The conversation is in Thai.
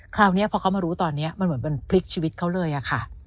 คราวนี้พอเขามารู้ตอนนี้มันเหมือนเป็นพลิกชีวิตเขาเลยอะค่ะ